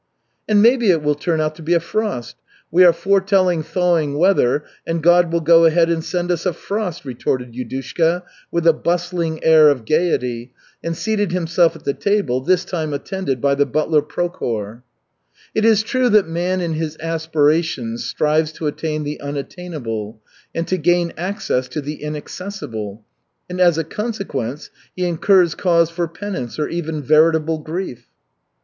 "And maybe it will turn out to be a frost. We are foretelling thawing weather and God will go ahead and send us a frost," retorted Yudushka, with a bustling; air of gaiety, and seated himself at the table, this time attended by the butler Prokhor. "It is true that man in his aspirations strives to attain the unattainable and to gain access to the inaccessible; and as a consequence he incurs cause for penance, or even veritable grief."